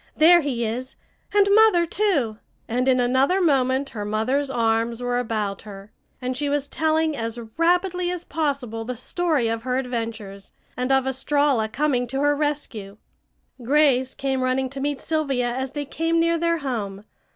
There he is! And Mother, too!" and in another moment her mother's arms were about her, and she was telling as rapidly as possible the story of her adventures, and of Estralla coming to her rescue. Grace came running to meet Sylvia as they came near their home.